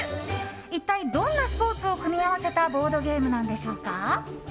一体どんなスポーツを組み合わせたボードゲームなんでしょうか？